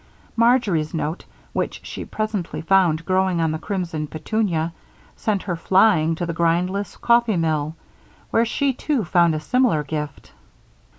Marjory's note, which she presently found growing on the crimson petunia, sent her flying to the grindless coffee mill, where she too found a similar gift.